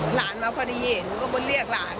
หลานเขาพอดีเย็นแล้วก็เรียกหลาน